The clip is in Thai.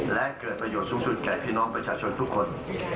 และเกิดประโยชน์สูงสุดแก่พี่น้องประชาชนทุกคน